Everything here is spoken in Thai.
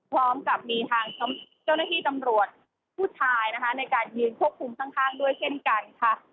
พร้อมกับมีทางเจ้าหน้าที่ตำรวจผู้ชายนะคะในการยืนควบคุมข้างด้วยเช่นกันค่ะ